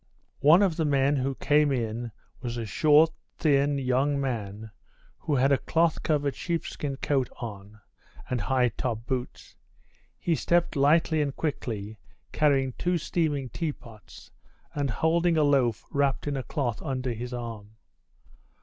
One of the men who came in was a short, thin, young man, who had a cloth covered sheepskin coat on, and high top boots. He stepped lightly and quickly, carrying two steaming teapots, and holding a loaf wrapped in a cloth under his arm.